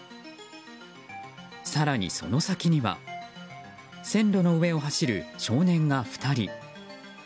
更に、その先には線路の上を走る少年が２人。